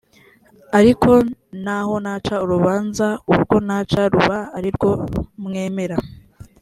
ariko naho naca urubanza urwo naca ruba ari rwo mwemera